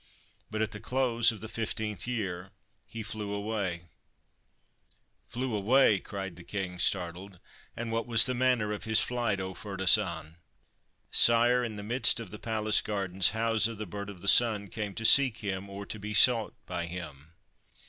But at the close of the fifteenth year he flew away I '' Flew away !' cried the King, startled. ' And what was the manner of his flight, O Ferdasan ?'' Sire, in the midst of the palace gardens, Hausa, the Bird of the Sun, came to seek him or to be sought by him.